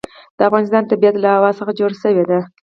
د افغانستان طبیعت له هوا څخه جوړ شوی دی.